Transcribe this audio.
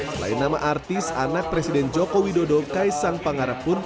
selain nama artis anak presiden joko widodo kaisang pangarapun